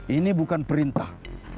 ini bukan perintah